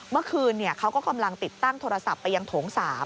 เมื่อคืนเขาก็กำลังติดตั้งโทรศัพท์ไปยังโถง๓